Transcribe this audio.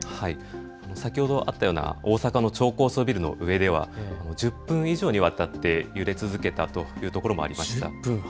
先ほどあったような大阪の超高層ビルの上では１０分以上にわたって揺れ続けたというところもありました。